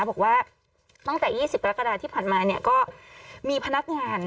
บอกว่าตั้งแต่๒๐กรกฎาที่ผ่านมาเนี่ยก็มีพนักงาน